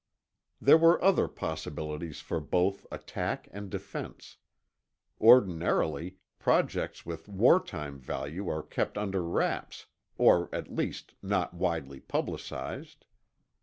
There were other possibilities for both attack and defense. Ordinarily, projects with wartime value are kept under wraps, or at least not widely publicized.